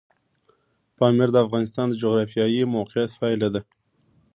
پامیر د افغانستان د جغرافیایي موقیعت پایله ده.